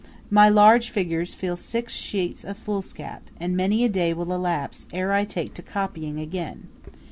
My large figures fill six sheets of foolscap, and many a day will elapse ere I take to copying again.